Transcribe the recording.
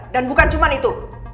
dan bukan cuma itu